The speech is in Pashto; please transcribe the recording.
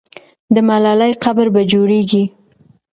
د ملالۍ قبر به جوړېږي.